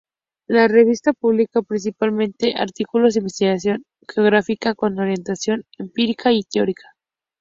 La revista publica principalmente artículos de investigación geográfica con orientación empírica y teórica.